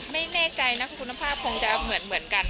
ไม่แน่ใจนะคุณภาพคงจะเหมือนกัน